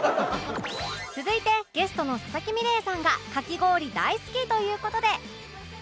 続いてゲストの佐々木美玲さんがかき氷大好きという事で